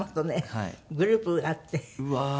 うわー！